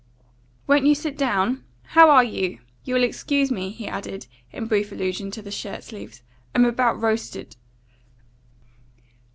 "Won't you sit down? How are you? You'll excuse me," he added, in brief allusion to the shirt sleeves. "I'm about roasted."